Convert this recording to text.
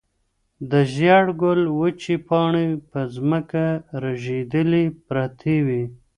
د زېړ ګل وچې پاڼې په ځمکه رژېدلې پرتې وې.